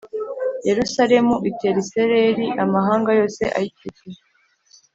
Yerusalemu itera isereri amahanga yose ayikikije